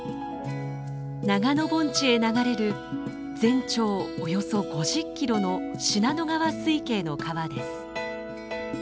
長野盆地へ流れる全長およそ５０キロの信濃川水系の川です。